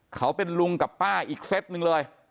เขาเป็นลุงกับป้าอีกเซตหนึ่งเลย